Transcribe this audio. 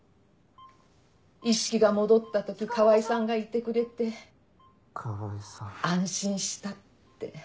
意識が戻った時川合さんがいてくれて安心したって。